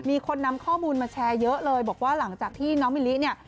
มีคนนำข้อมูลมาแชร์เยอะเลยบอกว่าหลังจากที่น้องมิลิเนี่ย